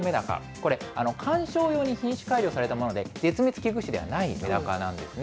これ、鑑賞用に品種改良されたもので、絶滅危惧種ではないメダカなんですね。